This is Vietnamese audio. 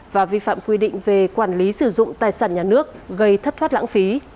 và vi phạm quy định về quản lý sử dụng tài sản nhà nước gây thất thoát lãng phí